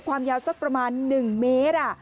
ความยาวสักประมาณ๑เมตร